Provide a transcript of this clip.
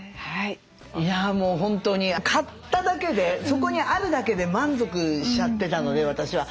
いやもう本当に買っただけでそこにあるだけで満足しちゃってたので私は。